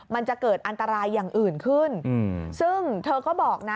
มันจะเกิดอันตรายอย่างอื่นขึ้นซึ่งเธอก็บอกนะ